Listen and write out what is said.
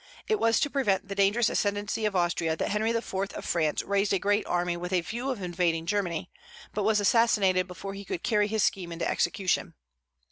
It was to prevent the dangerous ascendency of Austria that Henry IV. of France raised a great army with a view of invading Germany, but was assassinated before he could carry his scheme into execution.